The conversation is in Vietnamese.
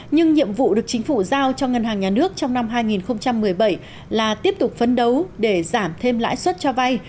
nhưng nhiệm vụ được chính phủ giao cho ngân hàng nhà nước trong năm hai nghìn một mươi bảy là tiếp tục phấn đấu để giảm thêm lãi suất cho vay